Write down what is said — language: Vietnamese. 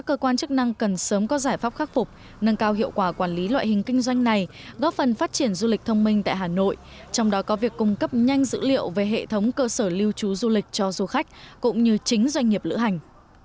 cơ quan chức năng cần sớm có giải pháp khắc phục nâng cao hiệu quả quản lý loại hình kinh doanh này góp phần phát triển du lịch thông minh tại hà nội trong đó có việc cung cấp nhanh dữ liệu về hệ thống cơ sở lưu trú du lịch cho du khách cũng như chính doanh nghiệp lữ hành